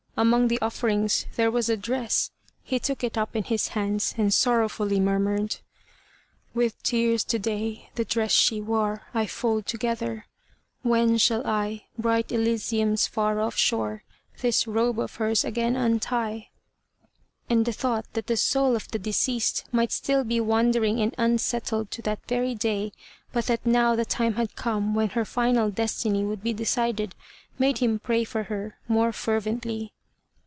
Among the offerings there was a dress. He took it up in his hands and sorrowfully murmured, "With tears to day, the dress she wore I fold together, when shall I Bright Elysium's far off shore This robe of hers again untie?" And the thought that the soul of the deceased might be still wandering and unsettled to that very day, but that now the time had come when her final destiny would be decided, made him pray for her more fervently.